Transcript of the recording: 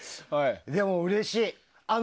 でも、うれしい。